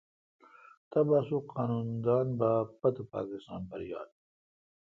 تبا سو قانون دان با پوتھ پاکستان پر یال۔